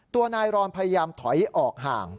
ตัวนายรอนพยายามถอยออกห่าง